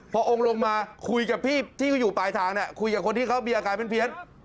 พอองค์ลงมาคุยกับพี่ที่เขาอยู่ปลายทางคุยกับคนที่เขามีอาการเพี้ยน